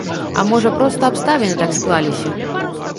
А можа, проста абставіны так склаліся.